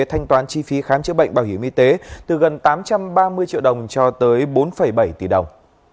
thanh toán chi phí khám chữa bệnh bảo hiểm y tế từ gần tám trăm ba mươi triệu đồng cho tới bốn bảy tỷ đồng